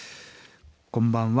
「こんばんは。